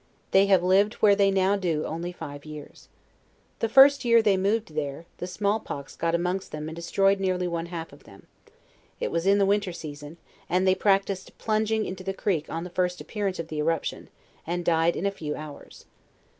They have lived where they now do only five years. The first year they moved there, the small pox got amongst them and destroyed nearly one half of them; it was in the winter season, and they practiced plunging in to the creek on the first appearance of the eruption, and died in a few hours.